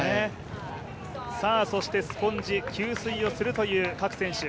そしてスポンジ給水をするという各選手。